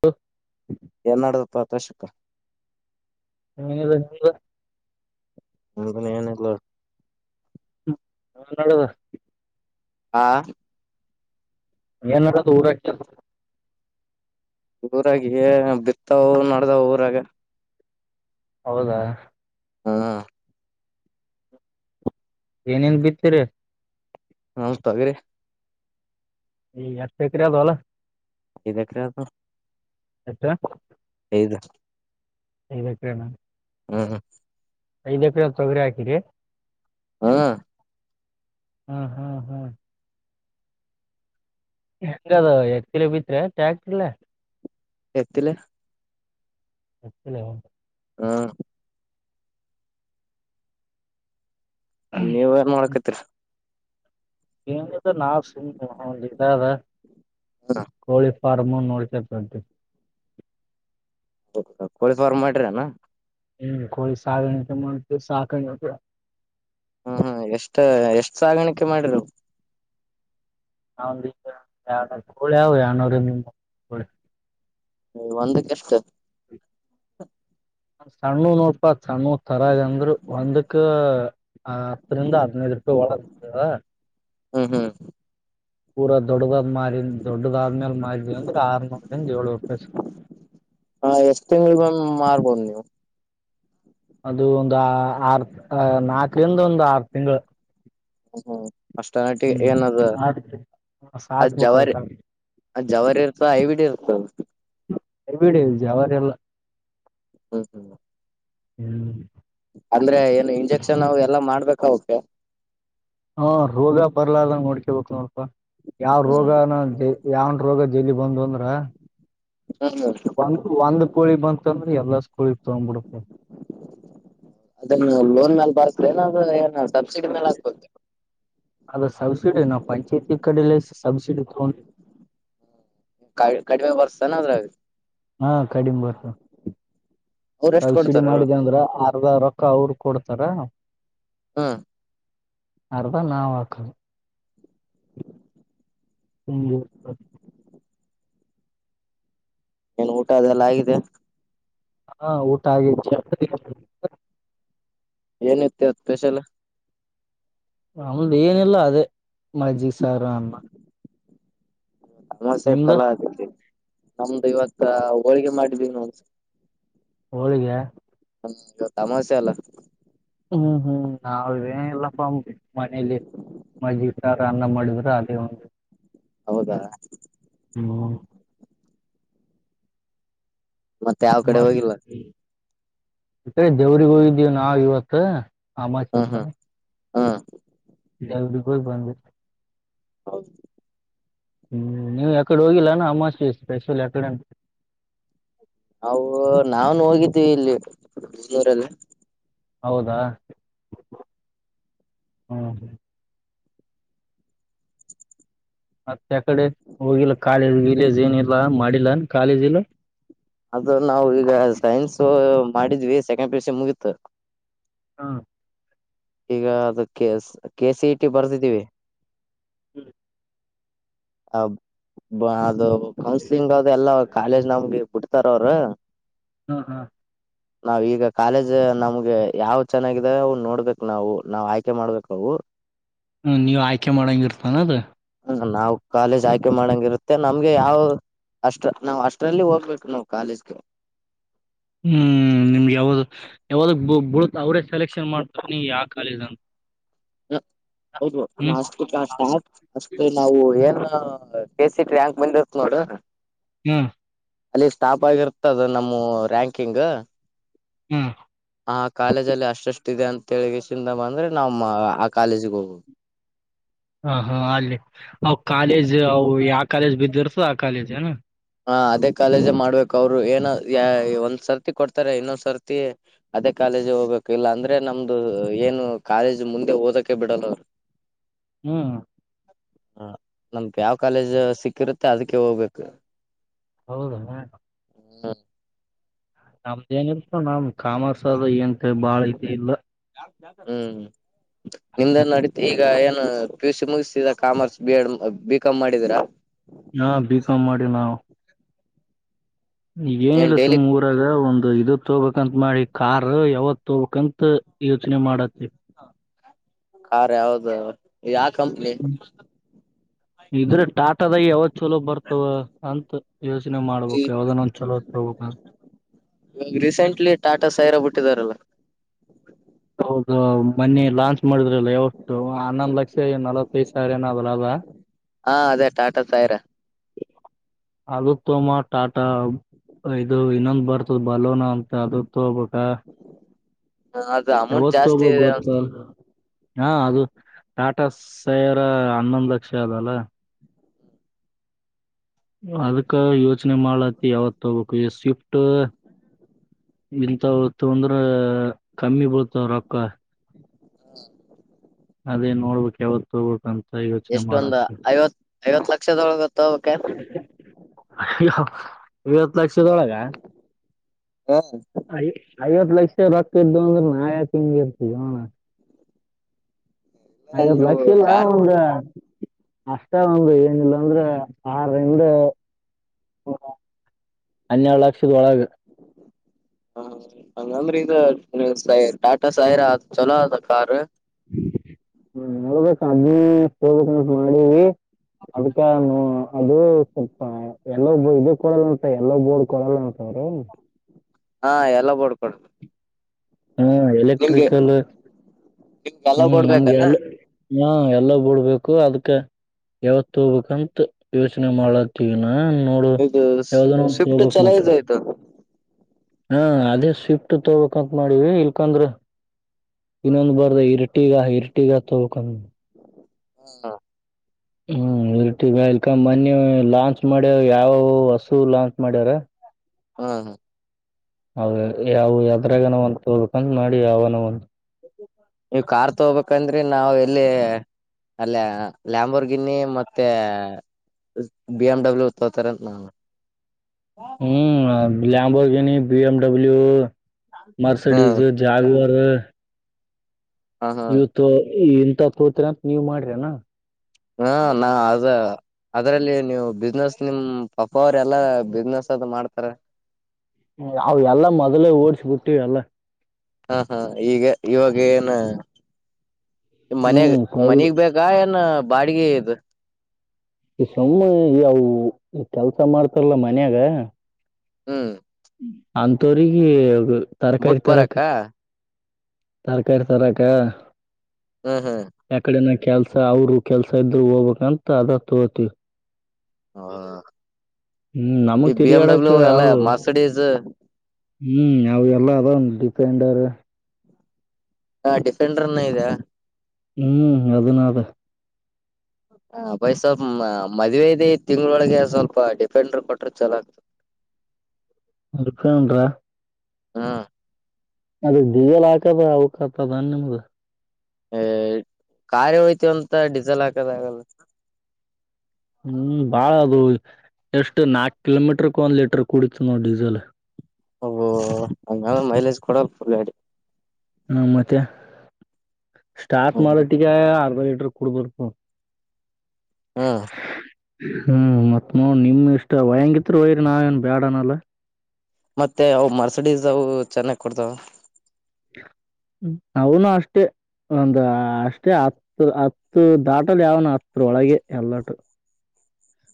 ಹ [inaudible] ಏನ್ಡದಪ್ಪ ಅತಷಕ್ಕ [unintelligible] ಮ ಬ [inaudible] ನಿನಗೆ ನಲ್ಲ ನ ನಳ [inaudible] ಹಾ [inaudible] ನೀನಡ ದೂರ [unintelligible] ಊರಾಗಿ ಬಿತ್ತವು ನ [inaudible] ದ ಊರಾಗ ಹೌದಾ ಹಾ ಏನೇನ್ ಬಿತ್ತೀರಿ ನಾವ ತೊಗರಿ ಎಷ್ಟ ಎಕರೆ ಅದ ಹೊಲ ಇದೆಕ್ಕ ಅದು ಅತ್ತ ಐದು ಐದ ಎಕರೆ ನಾ ಹ್ಮ ಐದ ಎಕರೆ ತೊಗರಿ ಹಾಕಿರಿ ಹಾ ಹ್ಮ್ ಹ್ಮ್ ಹ್ಮ್ ಹೆಂಗದು ಎಕ್ರೇ ಬಿತೀರಾ ಟ್ಯಾಕ್ಟರಲೆ ಎತ್ತಲೇ ಅತ್ತ ಹಾ ನೀವ ಏನ್ ಮಾಡೋಕತೀರ. ಹಿಂಗ ನಾ ಸಿಮ ಒಂದು ಇದಗ ಹ್ಮ್ ಕೋಳಿ ಫಾರಂ ನೋಡ್ಕೊಂತ ಹೊಂಟೀನಿ ಕೋಳಿ ಪಾರ್ಮ್ ಮಾಡ್ರಿನ ಹ್ಮ್ ಕೊಳಿ ಸಾಗಣಿಕೆ ಮಾಡ ಸಾಕಗೇತಿ ಹ್ಮ್ ಹ್ಮ್ ಎಷ್ಟ ಎಷ್ಟು ಸಾಗಾಣಿಕೆ ಮಾಡಿರು ಎರಡು ಕೋಳಿ ಅಂದರ ಎರಡು ನೋರ್ ಯಾಮ್ಯಾಮ್ ಹ ಒಂದಕ್ಕೆ ಎಷ್ಟು. ನ ಸಣ್ಣ ನೋಡ್ಪಾ ಸಣ್ಣ ತರ ಅಂದ್ರು ಒಂದಕ್ಕ ಹತ್ತರಿಂದ ಹದ್ನೈದ ರೂಪಾಯಿ ಒಳಗದ. ಹ್ಮ ಹ್ಮ್ ಪೂರ ದೊಡ್ಡದ ಮ ದೊಡ್ಡದ ಆದ್ಮೇಲೆ ಮಾರಿದವಿ ಅಂದ್ರೆ ಆರ್ನೂರು ಏಳ್ನೂರು ರೂಪಾಯಿ ಸಿಗತದ ಹ ಎಷ್ಟ್ ತಿಂಗಳಿಗೊಮ್ಮೆ ಮಾರ್ಬೋದು ನೀವು ಅದು ಒಂದು ಆರ್ ನಾಕರಿಂದ ಒಂದು ಆರು ತಿಂಗಳು. ಹಾ ಅಷ್ಟ ನಾಟಿಗೆ ಹ್ಮ್ ಏನದ ಅದ್ ಸಾಕ್ಬೇಕ ಜವಾರಿ ಅದಕಬಿಡಿ ಅದ ಜವರಿ ಇರ್ತ ಐವಿಡಿ ಅದು ಹೌ ಅರಬಿಡಿ ಜವರಿ ಎಲ್ಲ ಹ್ಮ್ ಹ್ಮ್ ಹ್ಮ್ ಅಂದ್ರೆ ಏನು ಇಂಜೆಕ್ಷನ್ ಎಲ್ಲಾ ಮಾಡ್ಬೇಕ ಅವಕೆ ಹ ರೋಗ ಬರ್ಲದಂಗ ನೋಡ್ಕಯಬಕ ನೋಡಪಾ ಯಾವ್ ಹ್ಮ್ ರೋಗನ ದ ಯಾವನ್ ರೋಗ ಜಲ ಬಂದ ಅಂದ್ರ ಹ್ಮ್ ಹ್ಮ್ ಬ ಒಂದ್ ಕೋಳಿ ಬಂತ ಅಂದ್ರ ಎಲ್ಲ ಕೋಳಿ ತಗ್ಬಿಡತ್ತೆ ಅ ಏನಾದ್ರೂ ಏನು ಸಬ್ಸಿಡಿ ಮೇಲೆ ಹಾಕಬೇಕು ಅದ ಸಬ್ಸಿಡಿ ನ ಪಂಚಾಯತಿ ಕಡೆಲ್ಲ ಸಬ್ಸಿಡಿ ತೊಂಡ ಕ ಕಡಿಮೆ ಬರ್ಸ್ತಾನ ಅದ್ರಾಗ ಹಾ ಕಡಿಮೆ ಬರ್ತ ಅವ್ರ ಎಷ್ಟ್ ಸಲ್ಸಿಡಿ ಕೊಡ್ತಾರ ಮಾಡಿದ್ದ ಅಂದ್ರ ರೊಕ್ ರೋಕ್ಕ ಅವರು ಕೊಡ್ತಾರ ಹಾ ಅರ್ದಾ ನಾವು ಹಾಕುದ ಹ್ಮ ಏನ್ ಊಟ ಅದೆಲ್ಲ ಆಗಿದೆ ಹಾ ಊಟ ಆಗಿದೆ ಏನಿತ್ತು ಇವತ್ತು ಸ್ಪೆಷಲ್ ನಮ್ದ ಏನಿಲ್ಲ ಅದೇ ಮಜ್ಜಿಗೆ ಸಾರರ ಅನ್ನ ಸಮಸೆ ನಿಮ್ದ ತಲಾ ಆ ನಮ್ದು ಇವತ್ತ ಹೋಳ್ ಗೆ ಮಾಡಿದ್ದಿನು ಹೋಳಿಗೆ ಹ್ಮ ಇ ಅಮಾಸ್ಯೆ ಅಲ್ಲ ಹ್ಮ್ ಹ್ಮ್ ನಾವೇಲ್ಲಪ್ಪ್ ಮನೇಲಿ ಮಜ್ಜಿಗೆ ಸಾರ ಅನ್ನ ಮಾಡಿದ್ರೆ ಅದೇ ಒಂದು ಹೌದಾ ಮತ್ತೆ ಯಾವ ಕಡೆ ಹೋಗಿಲ್ಲ ಈ ಕಡೆ ದೇವ್ರಗ ಹೋಗಿದ್ದೇವು ನಾವ್ ಇವತ್ತ ಅಮಾಸಿ ಚತಳ ಹೂ ದೇವರಿಗೆ ಹೋಗಿ ಬಂದ ಬಿಟ್ನಿ ಹೌದು ಹ್ಮ್ ನೀವು ಎಕಡೆ ಹೋಗಿಲ್ಲಾನ ಅಮಾವಾಸ್ಯೆ ಸ್ಪೆಷಲ್ಎಡೆ ನಾವು ನಾವು ನೂ ಹೋಗಿದ್ದೀವಿ ಇಲ್ಲಿ ಬೆಂಗಳೂರಲ್ಲಿ ಹೌದಾ ಹ್ಮ ಮತ್ತೆ ಯಕಡೆ ಹೋಗಿಲ್ಲ ಕಾಲೇಜ್ ವಿಲೇಜ್ ಏನಿಲ್ಲಾ ಮಾಡಿಲ್ಲ ಕಾಲೇಜ ಇಲ್ಲ ಅದು ನಾವವು ಈಗ ಸೈನ್ಸ ಮಾಡಿದ್ವಿ ಸೆಕೆಂಡ್ ಪ್ಲಸ ಮುಗೀತ ಹಾ ಈಗ ಅದು K K C E T ಬರ್ದಿದ್ದೀವಿ ಹ್ಮ್ ಅ ಬ ಅದು ಕೌನ್ಸ್ಲಿಂಗ್ ಅ ಎಲ್ಲ ಕಾಲೇಜ್ ನಮ್ಗೆ ಬಿಡ್ತಾರ ಅವ್ರ ಹಾ ಹಾ ನಾವ್ ಈಗ ಕಾಲೇಜ್ ನಮ್ಗೆ ಯಾವ್ ಚೆನ್ನಾಗಿದಾವ ಅ ನೋಡ್ಬೇಕಕ್ ನಾವು ನಾವ್ ಆಯ್ಕೆ ಮಾಡ್ಬೇಕ ಅವು ಹ್ಮ ನೀವು ಆಯ್ಕೆ ಮಾಡಂಗ ಇರ್ತಾನ ಅದ ಹ ನಾವ್ ಕಾಲೇಜ್ ಆಯ್ಕೆ ಮಾಡಂಗ ಇರುತ್ತೆ ನಮ್ಗೆ ಯಾವ ಅಷ್ಟ ನಾವ್ ಅಷ್ಟ್ರಲ್ಲಿ ಹೋಗ್ಬೇಕು ನಾವ್ ಕಾಲೇಜ್ಗೆ ಹ್ಮ್ ನಿಮ್ಗೆ ಯಾವ್ದ ಯಾವ್ದ ಬಳತ ಅವ್ರೇ ಸೆಲೆಕ್ಷನ್ ಮಾಡ್ತಾರೆ ಯಾವ ಕಾಲೇಜ್ ಅಂತ ಹೌದು ಹ್ಮ್ ನಾ ಅಷ್ಟೆ ನಾವು ಏನ್ ಹ ಕೆ ಸಿಟ ರ್ಯಾಂಕ್ ಬಂದಿತ್ ನೋಡು ಹ್ಮ ಅಲ್ಲಿ ಸ್ಟಾಪ್ ಆಗಿರ್ತದ ನಮ್ಮ ರ್ಯಾಂಕಿಂಗ್ ಹ್ಮ ತಳಗಸಿಂದ ಬಂದ್ರೆ ನಮ್ಮ ಆ ಕಾಲೇಜಿಗೆ ಹೋಗ್ುದು ಹ ಹಾ ಅಲ್ಲಿ ಅವ್ ಕಾಲೇಜ್ ಅವು ಯಾವ ಕಾಲೇಜ್ ಬಿದ್ದರ್ ಆಕಾಲಿಜ ಹಾ ಅದೇ ಕಾಲೇಜ ಮಾಡ್ಬೇಕು ಅವ್ರು ಏನ ಒಂದ್ ಸರ್ತಿ ಕೊಡ್ತಾರೆ ಇನ್ನೊಂದ್ ಸರ್ತಿ ಅದೇ ಕಾಲೇಜ ಹೋಗ್ಬೇಕು ಇಲ್ಲ ಅಂದ್ರೆ ನಮ್ದು ಏನು ಕಾಲೇಜ್ ಮುಂದೆ ಓದಕ್ಕೆ ಬಿಡಲ್ಲ ಅವರು ಹ್ಮ್ ಹ ನಮಕ್ ಯಾವ್ ಕಾಲೇಜ ಸಿಕ್ಕಿರುತ್ತೆ ಅದಕ್ಕೆ ಹೋಗ್ಬೇಕು ಹೌದಾ ಹ್ಮ್ ನಮ್ದ ಏನ ಇರ್ತೋ ನಮ ಕಾಮರ್ಸ್ ಆದ ಏಂತ ಬಾಳ ಇನ್ನು ಹ್ಮ್ ನಿಂದ ನಡತ ಈಗ ಏನು ಪಿ ಯು ಸಿ ಮುಗಿಸತಿದ commerce B Ed B Com ಮಾಡಿದೀರಾ ಹಾ ಬಿಕಾಮ್ ಮಾಡಿ ನಾವು ಈಗ ಏನ್ ಏನಿಲ್ಲ ಸುಮ್ ಡೈಲಿ ಊರಾಗ ಒಂದು ಇದಕ್ ತಗಬೇಕಕ್ಂತತ್ ಮಾಡಿ ಕಾರ್ ಯಾವತ್ ತೊಕ್ಂತ ಯೋಚನೆ ಮಾಡತ್ತತಿ ಕಾರಖ ಹೌದು ಯಾ ಕಂಪ್ಲೇಟ್ ಇದ್ರ ಟಾಟದ ಯಾವತ್ತು ಚಲೋ ಬರ್ತಾವ ಅಂತ ಯೋಚನೆ ಮಾಡ್ಬೇಕಕ್ ಯಾವ್ದಾನ ಒಂದ ಚಲೋ ತಗಬೇಕ ಇವಾಗ ರೀಸೆಂಟ್ಲಿ ಟಾಟಾ ಸೈರಾ ಬಿಟ್ಟಿದಾರಲ್ಲ ಹೌದು ಮನ್ನಿ ಲಾಂಚ್ ಮಾಡಿದ್ರಲ್ಲ ಎಾವಷ್ಟು ಹನ್ನೊಂದ್ ಲಕ್ಷ ನಲ್ವತ್ತೈದು್ ಸಾವಿರ ಏನ ಅದಲ್ಲ ಅದ ಹಾ ಅದೇ ಟಾಟಾ ತಾಯಿರ ಅದ ತೋಮ್ಮ ಟಾಟಾ ಇದು ಇನ್ನೊಂದು ಬರ್ತದ ಬಲೋನಾ ಅಂತ ಅದ ತಬ ಹಾ ಅದು ಅಮೌಂಟ್ ಯವತ್ತುಬ ಜಾಸ್ತಿ ಇದೆ ಗತ್ತ ಹಾ ಅದು ಟಾಟಾ ಸೈವರ ಹನ್ನೊಂದು ಲಕ್ಷ ಅದಲ್ಲ ಅದಕ್ಕ ಯೋಚನೆ ಮಾಡ್ ಯಾವತ್ ತಗಬೇಕು ಈ ಸ್ವಿಫ್ಟ್ ಇಂಂತವತ್ ಅಂದ್ರ ಕಮ್ಮಿ ಬಳ್ತಾವ್ರೊಕ್ಕ ಹ್ಮ ಅದೇ ನೋಡ್ಬೇಕಕ್ ಯಾವತ್ತು ತೋಗಬೇಕುಂತ ಎಷ್ಟೊಂದ್ ಐವತ್ ಐವತ್ ಲಕ್ಷದೊಳಗತ್ತಕೆ ಅಯ್ಯ ಇಐವತ್ತು ಲಕ್ಷದೊಳಗ ಹಾ ಐವತ್ತ ಲಕ್ಷ ರಕ್ಕ ಇದ್ದು ಅಂದ್ರ ನಾ ಯಾಕ್ ಹಿಂಗ್ ಇರ್ತವಿ ಅಣ್ಣಾ ಐವತ್ ನೀವು ಲಕ್ಷ ಇಲ್ಲ ಕಾರ್ ಒಂದ್ ಅಷ್ಟ ಒಂದು ಏನಿಲ್ಲ ಅಂದ್ರೆ ಆರಿಂದ ಹನ್ನೆರಡು ಲಕ್ಷದ ಒಳಗ ಹ ಹಂಗಂದ್ರ ಇಗ ಟಾಟಾ ಸೈರ್ ಚಲೋ ಅದ ಕಾರ್ ಹ್ಮ್ ನೋಡ್ಬೇಕ್ ಅದ್ನೆ ತೊಬೇಕ್ ಅಂತ ಮಾಡಿವಿ ಅದಕ್ಕಾನೂ ಅದು ಸ್ವಲ್ಪ ಎಲ್ಲೋ ಇದು ಕೊಡಲ್ಲ ಎಲ್ಲೋ ಬೋರ್ಡ್ ಕೊಡಲ್ಲ ಅಂತ ಅವ್ರು ಹಾ ಎಲ್ಲೋ ಬೋರ್ಡ್ ಹ್ಮ್ ನಿಮ್ಗೆ ಎಲೆಕ್ಟ್ರಿಕಲ್ ನಿಮ್ಗೆ ಎಲ್ಲ ಹ್ಮ್ ಬೋರ್ಡ್ ನಮ್ಗೆ ಅ ಬೇಕನಾ ಹಾ ಎಲ್ಲೋ ಬೋರ್ಡ್ ಬೇಕು ಅದ್ಕ ಯಾವತ್ತು ಹೋಗ್ಬೇಕಂತ ಯೋಚನೆ ಮಾಡ್ಲತ್ತೀವಿ ಹಿನಾ ಇದು ಸ್ವಿಫ್ಟ ಚಾಲೂ ಮತ್ತ [unintelligible] ಆಯಿತು ಹಾ ಅದೇ ಸ್ವಿಫ್ಟ್ ತೊಗಕ್ಂತ ಮಾಡಿವಿ ಇಲ್ಕಂದ್ರ ಇನ್ನೊಂದ್ ಬಾರದ ಇರಟಿಗ ಇರಟಿಗ ತೊಗಕ್ಂದ ಹ್ಮ ಹಾ ಹ್ಮ್ ಇಲ್ ಟೀಗಿ ಇಲ್ಕ ಮನ್ನಿ ಲಾಂಚ್ ಮಾಡ್ಯರ ಯಾವೋ ಹಸು ಲಾಂಚ್ ಮಾಡ್ಯಾರ ಹಾ ಹಾ ಹೌದ ಏ ಯಾವವು ಯದ್ರಾಗೆನೋ ಒಂದು ಸಂಘ ಮಾಡಿ ಯಾವನ ಒಂದು ನೀವು ಕಾರ್ ತಗೋಬೇಕಂದ್ರಿ ನಾವು ಈಲ್ಲಿ ಅಲ್ಲ ಲ್ಯಂಬರ್ ಗಿನ್ನಿ ಮತ್ತೆ ಬಿ ಎಮ ಡಬ್ಲ್ಯೂ ತೋತಾರಂತ ನೋಡ್ ಹ್ಮ Lamborghini B M W ಹ್ಮ್ ಮರ್ಸಡೀಸ್ ಜಾಗವರ್ ಹ ಹಾ ಇವತ್ತು ಹಿಂತವ ತೋತ್ರಂತ ನೀವ್ ಮಾಡ್ರಿರೆನ ಹಾ ನಾ ಅದ ಅದ್ರಲ್ಲಿ ನೀವು ಬಿಸ್ನೆಸ್ ನಿಮ್ ಪಪ್ಪಾ ಅವ್ರ ಎಲ್ಲಾ ಬಿಸ್ನೆಸ್ ಅದ ಮಾಡ್ತಾರ ಈಲ್ಲೇ ಓಡ್ಸ ಬಿಟ್ಟಿವಿ ಏಲ್ಲ ಹಾ ಹಾ ಈಗ ಇವಾಗ ಏನ ಮನ್ಯಗ್ ಹ್ಮ್ ಕೈ ಮನಿಗ್ ಬೇಕಾ ಏನ್ ಬಾಡಿಗೆ ಈದ ಈ ಸುಮ್ಮ ಈ ಅವು ಕೆಲ್ಸ ಮಾಡ್ತಾರಲ್ಲ ಮನ್ಯಾಗ ಹ್ಮ್ ಅಂತೋರಿಗಿ ತರಕಾರಿ ಬುಟ್ ತರಕ್ಕ ಬರಕ್ಕ ತರಕಾರಿ ತರಕ ಹ್ಮ್ ಹ್ಮ್ ಯಕಡೆನ ಕೆಲ್ಸ ಅವರು ಕೆಲ್ಸ ಇದ್ದು ಹೋಗ್ಬೇಕಂತ ಅದ ತೋಗತಿವಿ ಹೌದ ಹ್ಮ್ ನಮಗ್ ತಿರಿಯಾಡಕ್ ಎಲ್ಲ ಅವು ಮರ್ಸಿಡೀಸ್ ಹ್ಮ್ ಅವ ಎಲ್ಲ [unintelligible] ಡಿಪೆಂಡರ್ ಹಾ ಡಿಫೆಂಡರ್ನ್ನ ಇದ ಹ್ಮ್ ಅದನ್ನಾದ ಹ ಬೈ ಸ್ವಲ್ ಮದ್ುವವೆದ ತಿಂಗಳೊಳಗೆ ಸ್ವಲ್ಪ ಡಿಫೆಂಡರ್ ಕೊಟ್ರ ಚಲ ಆಗ್ತದೆ ಅಪನ್್ರಾ [unintelligible] ಹಾ ಅದ ದಿವಲ್ ಹಾಕದ ಅವಕತದನ್ ನಿಮ್ದ ಹ ಕಾರಖಾರಿ ಹೋಯ್ತವಂತ ಡೀಿಸೆಲ್ ಹಾಕದ ಆಗಲ್ಲ [inaudible] ಹ್ಮ್ ಬಾಳ ಅದು ಎಷ್ಟ್ ನಾಕ್ ಕಿಲೋಮೀಟರ್ಕ್ ಒಂದ್ ಲೀಟರ್ ಕುೂಡಿತು ನಾವ ಡೀಸೆಲ್ ಓ ಹಂಗ ಮೈಲೇಜ್ ಕೊಡ ಫುಲ್ ಗಾಡಿ [unintelligible] ಹ್ಮ ಮತ್ತೆ ಸ್ಟಾರ್ಟ್ ಹ್ಮ್ ಹ್ಮ್ ಮಾಡೊಟ್ಟಿಗೆ ಅರ್ಧ ಲೀಟರ್ ಕುಡ್ಬಲ್ಪು [inaudible] ಹ್ಮ ಹ್ಮ್ ಮತ್ ನೋ ನಿಮ್ ಇಷ್ಟ ವಯಂಗಿತ್ ವಯರಿ ನಾವೇಏನ್ ಬ್ಯಾಡನಲ್ಲ ಮತ್ತೆ ಅವು ಮರ್ಸಿಡೀಸ್ ಅವು ಚೆನ್ನಾಗ್ ಕೊಡ್ತಾವ ಅವನು ಅಷ್ಟೇ ಒಂದು ಅಷ್ಟೇ ಹತ್ತು ಹತ್ತು ದಾಟಲ್ ಯಾವನು ಹತ್ರ ಒಳಗೆ ಎಲ್ಲಟು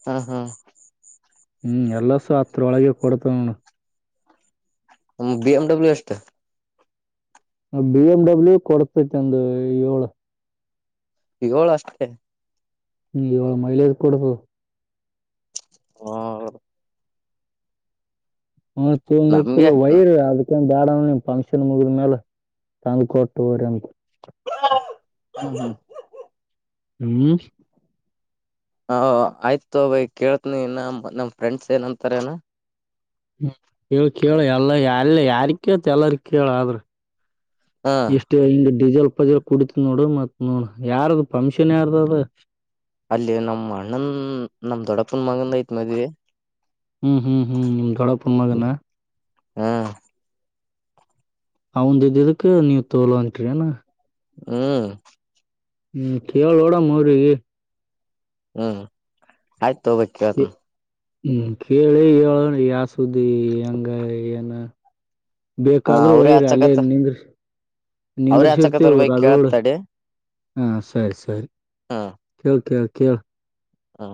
ಹಾ ಹಾ ಹ್ಮ್ ಎಲ್ಲಸು ಹತ್ರೊಳಗೆ ಕೊಡತವ ನೋ ಬಿ ಎಮ್ ಡಬ್ಲ್ಯೂ ಅಷ್ಟೇ ಬಿ ಎಮ್ ಡಬ್ಲ್ಯೂ ಕೊಡ್ತೈತಿ ಒಂದು ಏಳು ಏಳುಷ್ಟೇ ಹ್ಮ್ ಇವಾಗ ಮೈಲೇಜ್ ಕೊಡ [unintelligible] ಹಾ ಹ ನಮ್ಗೆ ವೈರ್ ಅದಕ್ಕೆ [unintelligible] ಬ್ಯಾಡಮ್ ಫಂಕ್ಷನ್ ಮುಗಿದ ಮೇಲೆ ತಂದ್ ಕೊಟ್ಟು್ರ ಹ ಹೌ ಹಾ [unintelligible] ಹ್ಮ್ ಹ ಆಯ್ತು ಬೈ ಕೇಳ್ತನಿ ನ ನಮ್ ಫ್ರೆಂಡ್ಸ್ ಏನಂತಾರನಾ ಹ್ಮ ಹೇಳ ಕೇಳ ಎಲ್ಲ ಎಲ್ಲ ಯಾರಿಕತ ಎಲ್ಲಾರ ಕೇಳ ಆದ್ರ ಹ ಎಷ್ಟೇ ಹಂಗ [inaudible] ಡೀಜೆಲ್ ಪಜಲ್ ಕುಡತ್ ನೋಡು ಮತ್ ನೋಡ ಯಾರ್ದ ಪಂಕ್ಷನ್ ಯಾರ್ದ ಅದ ಅಲ್ಲಿ ನಮ್ಮ್ ಅಣ್ಣನ್ ನಮ್ ದೊಡಪನ್ ಮಗಂದ ಐತ್ ಮದ್ವೆ ಹ್ಮ್ ಹ್ಮ್ ಹ್ಮ್ ದಳ ಪರ್ನಾಗ ಹಾ ಅವಂದ ಇದ್ದಿದ್ದಕ್ಕ ನೀವ್ ತೋಲ ಅಂಟ್ರಿ ಅನಾ ಹ್ಮ್ ಹ್ಮ್ ಕೇವಲೋಡ ಮರು [unintelligible] ಹ್ಮ್ ಆಯ್ತು ತ ವಕ್ಯಾತ್ನು ಹ್ಮ್ ಕೇಳಿ ಹೇಳೋಣ ಯಸ್ ಸುದಿ ಅಂಗನು ಹ್ಮ ಹ ಬೇಕಾದ್ರೂ ಅವ್ರೇ ವೈರ್ ಅಲ್ಲೇ ಹಚ್ಚಕತ್ ನಿಂದ್ರಿಸಿ ಅವ್ರೇ ನಿಂದ್ರಿಸಿರ್ತೇವು ಹಚ್ಚಕತ್ತರ್ ಬೈ ಕೇಳತ್ ರಗೋಡ್ ತಡಿ ಹಾ ಸರಿ ಸರಿ ಕೆ ಕೆ ಕೇಳ್ ಹಾ